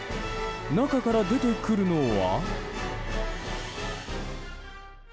中から出てくるのは。